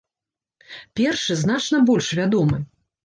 Першы значна больш вядомы.